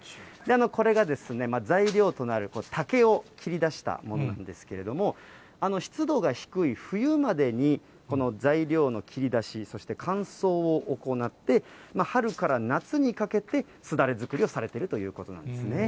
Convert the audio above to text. これが材料となる竹を切り出したものなんですけども、湿度が低い冬までに、この材料の切り出し、そして乾燥を行って、春から夏にかけて、すだれ作りをされているということなんですね。